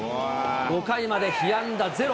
５回まで被安打ゼロ。